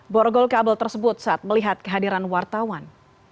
borgol kabel tersebut saat melihat kehadiran wartawan